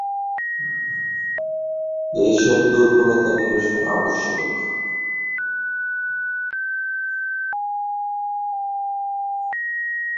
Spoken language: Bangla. এ সব দুর্বলতা নিরসন আবশ্যক।